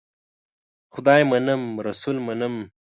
خدای منم ، رسول منم .